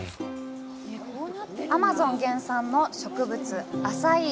アマゾン原産の植物・アサイー